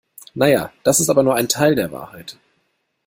Naja, das ist aber nur ein Teil der Wahrheit.